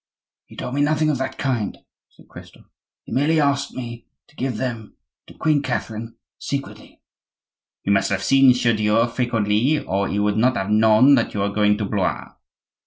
"He told me nothing of that kind," said Christophe. "He merely asked me to give them to Queen Catherine secretly." "You must have seen Chaudieu frequently, or he would not have known that you were going to Blois."